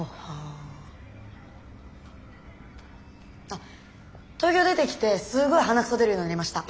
あっ東京出てきてすごい鼻くそ出るようになりました。